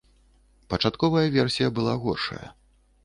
Пачатковая версія была горшая.